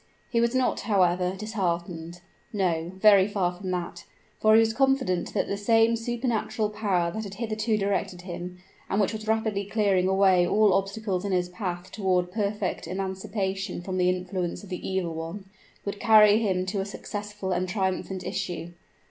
He was not, however, disheartened. No very far from that; for he was confident that the same supernal power that had hitherto directed him, and which was rapidly clearing away all obstacles in his path toward perfect emancipation from the influence of the evil one, would carry him to a successful and triumphant issue.